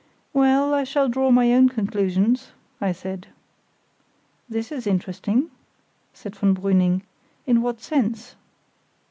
"Well, I shall draw my own conclusions," I said. "This is interesting," said von Brüning, "in what sense?"